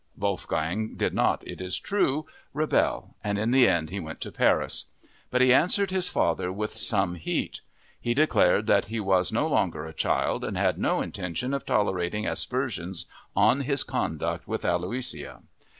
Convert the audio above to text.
Wolfgang did not, it is true, rebel and in the end he went to Paris. But he answered his father with some heat. He declared that he was no longer a child and had no intention of tolerating aspersions on his conduct with Aloysia.